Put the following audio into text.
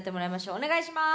お願いします！